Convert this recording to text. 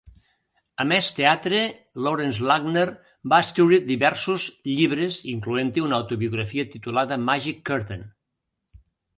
A més teatre, Lawrence Langner va escriure diversos llibres, incloent-hi una autobiografia titulada "Magic Curtain".